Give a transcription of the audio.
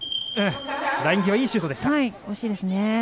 ライン際、いいシュートでした。